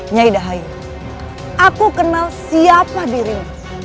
nyai dahai aku kenal siapa dirimu